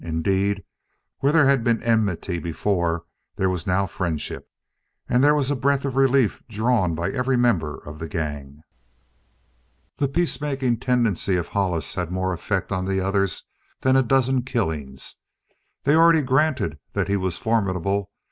Indeed, where there had been enmity before, there was now friendship. And there was a breath of relief drawn by every member of the gang. The peacemaking tendency of Hollis had more effect on the others than a dozen killings. They already granted that he was formidable.